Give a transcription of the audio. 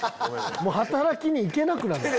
もう働きに行けなくなる。